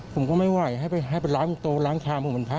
ผมก็ไม่ไหวให้ไปล้างโตล้างชามผมเป็นพระ